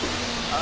あ。